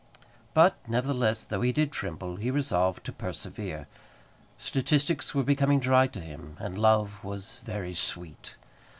But, nevertheless, though he did tremble, he resolved to persevere. Statistics were becoming dry to him, and love was very sweet.